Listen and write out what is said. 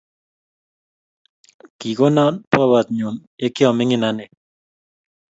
Kikona babat nyun yikia minig ane